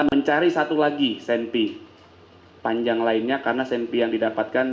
mencari satu lagi senpi panjang lainnya karena senpi yang didapatkan